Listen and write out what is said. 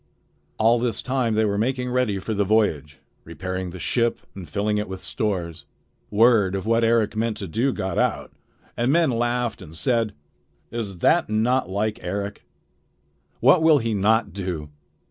All this time they were making ready for the voyage, repairing the ship and filling it with stores. Word of what Eric meant to do got out, and men laughed and said: "Is that not like Eric? What will he not do?"